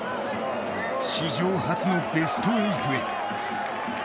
史上初のベスト８へ。